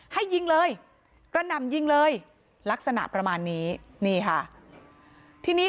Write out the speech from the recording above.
ให้ยิงเลยกระหน่ำยิงเลยลักษณะประมาณนี้